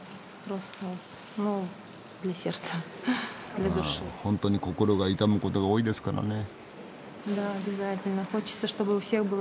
あ本当に心が痛むことが多いですからね。